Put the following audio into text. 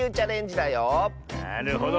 なるほど。